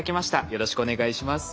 よろしくお願いします。